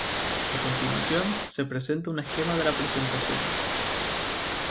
A continuación, se presenta un esquema de la presentación: